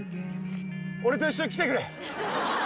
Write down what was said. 俺と一緒に来てくれ！